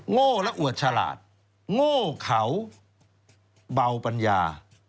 โง่และอวดฉลาดโง่เขาเบาปัญญา